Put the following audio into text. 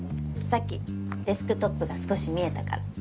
さっきデスクトップが少し見えたから。